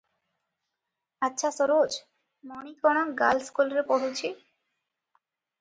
ଆଚ୍ଛା ସରୋଜ, ମଣି କଣ ଗାର୍ଲସ୍କୁଲରେ ପଢ଼ୁଛି?"